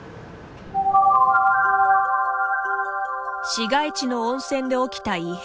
市街地の温泉で起きた異変。